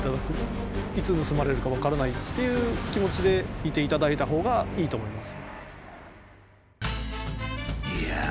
いつ盗まれるか分からないっていう気持ちでいていただいたほうがいいと思います。